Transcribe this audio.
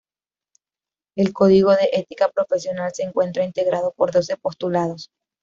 El Código de Ética Profesional se encuentra integrado por doce postulados.